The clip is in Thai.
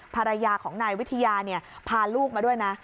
ภรรยาของนายวิทยาพาลูกมาด้วยนะ